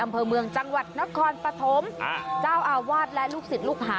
อำเภอเมืองจังหวัดนครปฐมเจ้าอาวาสและลูกศิษย์ลูกหา